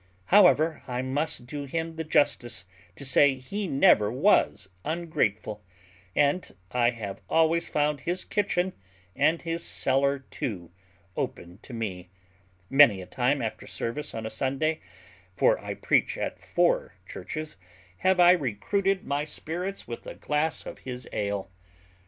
However, I must do him the justice to say he never was ungrateful; and I have always found his kitchen, and his cellar too, open to me: many a time, after service on a Sunday for I preach at four churches have I recruited my spirits with a glass of his ale.